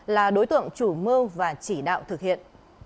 là đối tượng chủ mưu và chỉ đạo thực hiện